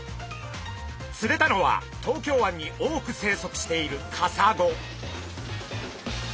釣れたのは東京湾に多く生息しているカサゴ。